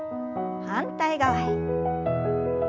反対側へ。